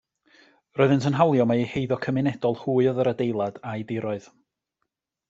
Roeddynt yn hawlio mae eu heiddo cymunedol hwy oedd yr adeilad a'i diroedd.